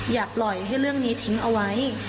อย่าปล่อยให้เรื่องนี้ทิ้งเอาไว้